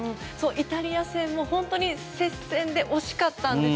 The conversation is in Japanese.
イタリア戦も本当に接戦で惜しかったんです。